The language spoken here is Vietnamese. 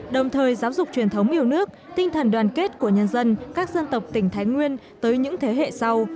đồng thời giáo dục truyền thống yêu nước tinh thần đoàn kết của nhân dân các dân tộc tỉnh thái nguyên tới những thế hệ sau